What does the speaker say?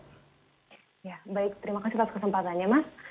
ya baik terima kasih atas kesempatannya mas